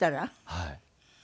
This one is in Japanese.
はい。